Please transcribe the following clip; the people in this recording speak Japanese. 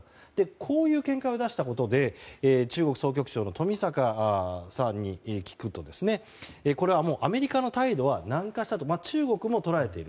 こういう見解を出したことで中国総局長の冨坂さんに聞くとこれはアメリカの態度は軟化したと中国も捉えている。